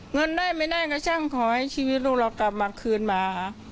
เงินได้ไม่ได้ก็ช่างขอให้ชีวิตลูกเรากลับมาคืนมา